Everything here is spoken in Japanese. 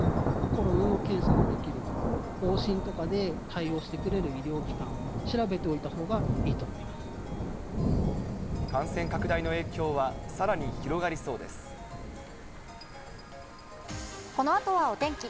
コロナの検査のできるところ、往診とかで対応してくれる医療機関、調べておいたほうがいいと思感染拡大の影響はさらに広がこのあとはお天気。